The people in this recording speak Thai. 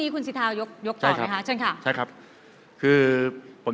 คุณสิทายกต่อเชิญครับ